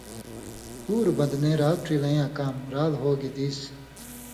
پُوروۡ بدنے رات ڇېلیَیں یاں کام، رال ہو گی دیس،